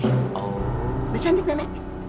udah cantik nenek